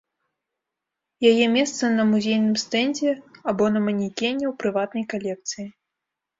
Яе месца на музейным стэндзе або на манекене ў прыватнай калекцыі.